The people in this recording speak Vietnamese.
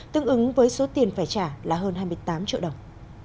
tương ứng với số tiền phải trả là hơn hai mươi tám triệu đồng